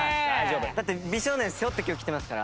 だって美少年背負って今日来てますから。